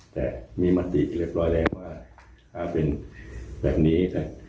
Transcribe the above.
แต่มีมติเรียบร้อยแล้วว่าถ้าเป็นแบบนี้นะ